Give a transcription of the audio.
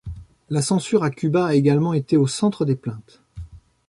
La Censure à Cuba a également été au centre des plaintes.